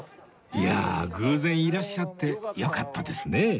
いやあ偶然いらっしゃってよかったですね